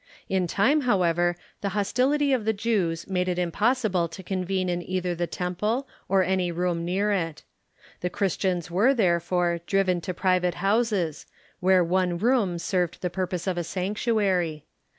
In time, however, the hostility of the Jews made it impossible to convene in either the temple or any room near it. The Christians were, therefore, driven to pri vate houses, where one room served the purpose of a sanctuary.